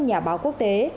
nhà báo quốc tế